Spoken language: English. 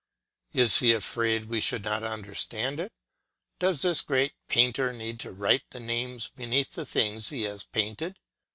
Is he afraid we should not understand it? Does this great painter need to write the names beneath the things he has painted?